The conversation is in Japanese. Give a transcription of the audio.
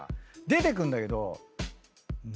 出てくんだけど。